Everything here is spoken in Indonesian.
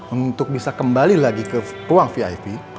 untuk bisa kembali lagi ke ruang vip